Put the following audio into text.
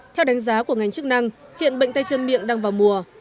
theo đánh giá của ngành chức năng hiện bệnh tay chân miệng đang vào mùa